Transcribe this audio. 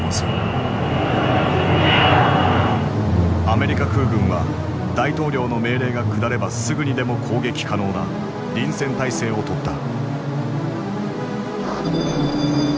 アメリカ空軍は大統領の命令が下ればすぐにでも攻撃可能な臨戦態勢を取った。